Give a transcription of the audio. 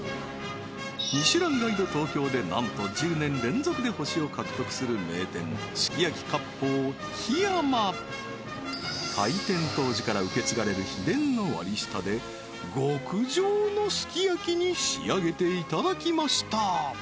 ミシュランガイド東京でなんと１０年連続で星を獲得する名店開店当時から受け継がれる秘伝の割り下で極上のすき焼に仕上げていただきました